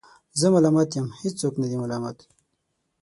زه ملامت یم ، هیڅوک نه دی ملامت